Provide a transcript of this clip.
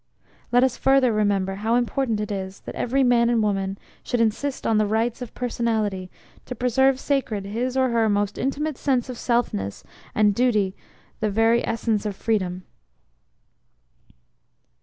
Let us further remember how important it is that every man and woman should insist on the rights of Personality to preserve sacred his or her most intimate sense of selfness and duty the very, essence of Freedom.